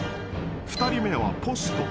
［２人目はポスト。